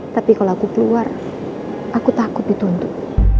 tapi kalau aku keluar aku takut dituntut